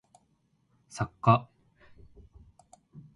作家